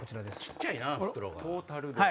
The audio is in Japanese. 小っちゃいな袋が。